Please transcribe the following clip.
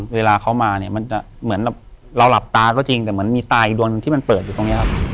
เวลาเขามาเนี่ยมันจะเหมือนแบบเราหลับตาก็จริงแต่เหมือนมีตาอีกดวงหนึ่งที่มันเปิดอยู่ตรงนี้ครับ